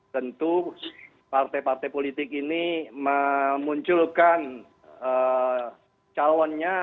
tentu partai partai politik ini memunculkan calonnya